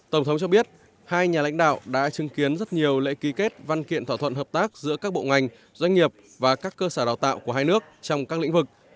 tổng thống cho biết hai nhà lãnh đạo đã chứng kiến rất nhiều lễ ký kết văn kiện thỏa thuận hợp tác giữa các bộ ngành doanh nghiệp và các cơ sở đào tạo của hai nước trong các lĩnh vực